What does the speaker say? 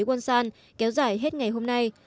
quân sản kéo dài hết ngày hôm nay